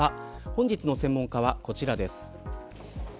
本日の専門家は、こちらです。